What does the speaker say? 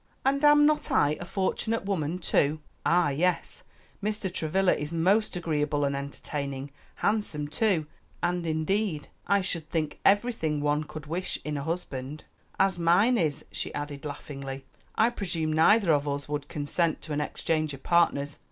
"And am not I a fortunate woman, too?" "Ah, yes, Mr. Travilla is most agreeable and entertaining, handsome too; and indeed I should think everything one could wish in a husband; as mine is," she added laughingly. "I presume neither of us would consent to an exchange of partners.